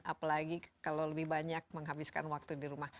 apalagi kalau lebih banyak menghabiskan waktu di rumah